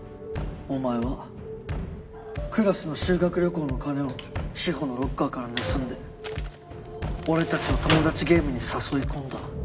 お前はクラスの修学旅行の金を志法のロッカーから盗んで俺たちをトモダチゲームに誘い込んだ。